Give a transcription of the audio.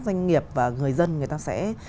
doanh nghiệp và người dân người ta sẽ